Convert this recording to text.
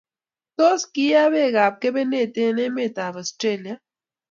Tos, kiie beekab kebenet eng emetab Australia